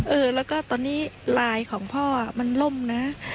เออแล้วก็ตอนนี้ลายของพ่อมันล่มนะ